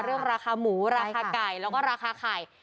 เรื่องราคาหมูราคาไก่แล้วก็ราคาไข่